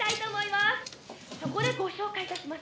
「そこでご紹介いたします」